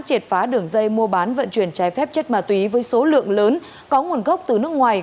triệt phá đường dây mua bán vận chuyển trái phép chất ma túy với số lượng lớn có nguồn gốc từ nước ngoài